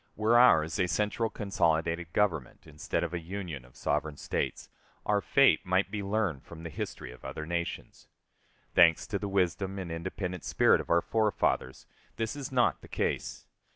Were ours a central, consolidated Government, instead of a Union of sovereign States, our fate might be learned from the history of other nations. Thanks to the wisdom and independent spirit of our forefathers, this is not the case.